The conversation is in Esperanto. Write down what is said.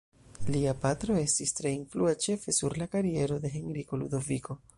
Lia patro estis tre influa ĉefe sur la kariero de Henriko Ludoviko.